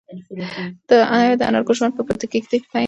ایا د انارګل ژوند به د کيږدۍ په دې تنګ چاپیریال کې ښه شي؟